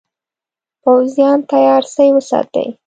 پوځیان تیار سی وساتي.